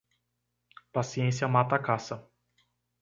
Paciência mata a caça.